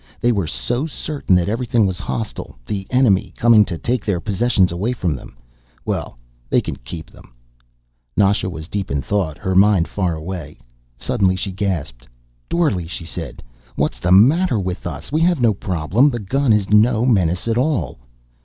They were so certain that everything was hostile, the enemy, coming to take their possessions away from them. Well, they can keep them." Nasha was deep in thought, her mind far away. Suddenly she gasped. "Dorle," she said. "What's the matter with us? We have no problem. The gun is no menace at all."